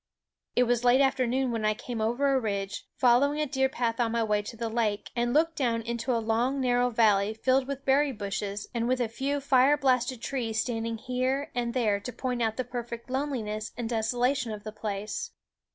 It was late afternoon when I came over a ridge, following a deer path on my way to the lake, and looked down into a long narrow valley filled with berry bushes, and with a few fire blasted trees standing here and there to point out the perfect loneliness and desolation of the place.